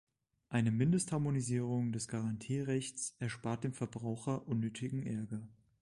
Eine Mindestharmonisierung des Garantierechts erspart dem Verbraucher unnötigen Ärger.